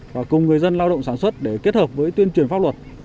và cùng người dân lao động sản xuất để kết hợp với tuyên truyền pháp luật